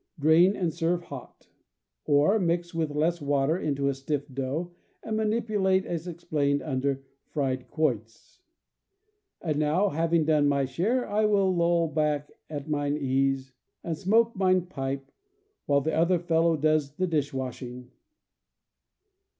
Drain and serve hot CAMP COOKERY 163 Or, mix with less water into a stiff dough, and manipu late as explained under Fried Quoits. And now, having done my share, I will loll back at mine ease and smoke mine pipe, while ^* the other fellow does the dish washing!